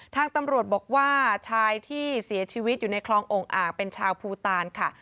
ทางตำรวจบอกว่าชายที่เสียชีวิตอยู่ในคลององค์อ่างเป็นชาวภูตานค่ะ